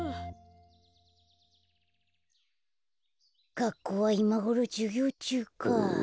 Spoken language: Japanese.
がっこうはいまごろじゅぎょうちゅうか。